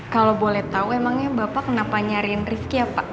kalau boleh tahu emangnya bapak kenapa nyariin rifki ya pak